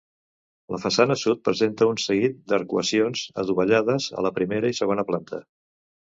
La façana sud presenta un seguit d'arcuacions adovellades a la primera i segona planta.